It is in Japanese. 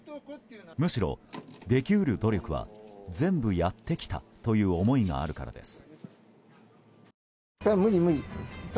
むしろ、でき得る努力は全部やってきたという思いがあるからです。